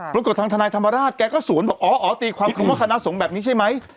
ปรากฏทางทนายธรรมราชแกก็สวนบอกอ๋ออ๋อตีความคำว่าคณะสงฆ์แบบนี้ใช่ไหม